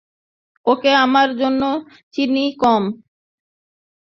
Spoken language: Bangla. ওকে, আমার জন্য চিনি কম।